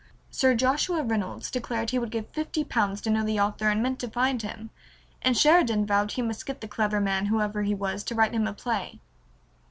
Sir Joshua Reynolds declared he would give fifty pounds to know the author and meant to find him, and Sheridan vowed he must get the clever man, whoever he was, to write him a play.